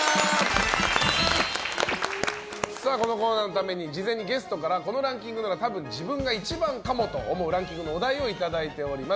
このコーナーのために事前にゲストからこのランキングなら多分、自分が一番かもと思うランキングのお題をいただいております。